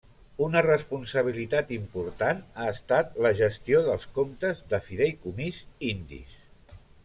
Una responsabilitat important ha estat la gestió dels comptes de fideïcomís indis.